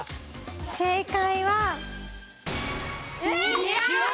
正解は「君」。